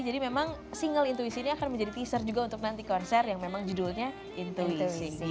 jadi memang single intuisi ini akan menjadi teaser juga untuk nanti konser yang memang judulnya intuisi